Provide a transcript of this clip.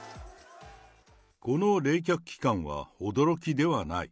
この冷却期間は驚きではない。